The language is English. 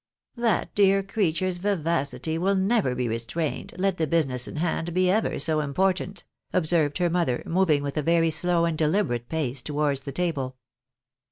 " That dear creature's vivacity will never be restrained, let the business in hand be ever so important !" observed her mother, moving with a very slow and dehberate pace towards the table.